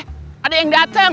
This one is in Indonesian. eh ada yang datang